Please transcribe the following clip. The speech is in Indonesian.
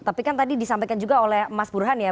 tapi kan tadi disampaikan juga oleh mas burhan ya